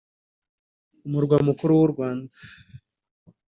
Umurwa Mukuru w’u Rwanda